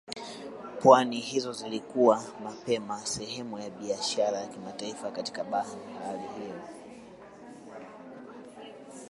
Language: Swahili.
pwani hizo zilikuwa mapema sehemu ya biashara ya kimataifa katika Bahari Hindi